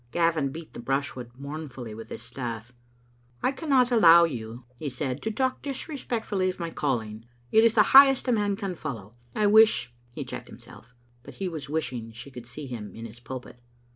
Gavin beat the brushwood mournfully with his staff. " I cannot allow you," he said, " to talk disrespectfully of my calling. It is the highest a man can follow. I wish " He checked himself; but he was wishing she could see him in his pulpit.